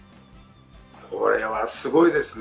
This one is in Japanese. これはすごいですね。